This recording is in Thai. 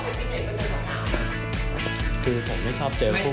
ไม่ใช่เวลาไปไม่ค่อยเจอเด็กสาวหรอก